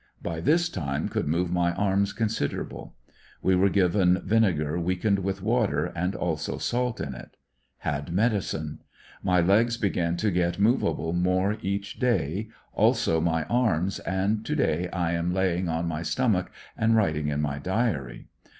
By this time could move my arms considerable. We were given vinear weakened with water, and also salt in it Had medicine. My legs began to get movable more each day, iilso my arms, and to day I am laying on my stom ach and waiting in my diary.